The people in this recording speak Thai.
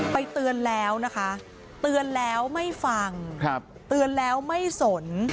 เตือนแล้วนะคะเตือนแล้วไม่ฟังเตือนแล้วไม่สน